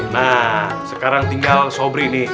nah sekarang tinggal sobri nih